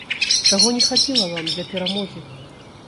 Чаго не хапіла вам для перамогі?